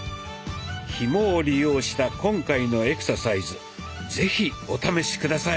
ひもを利用した今回のエクササイズ是非お試し下さい。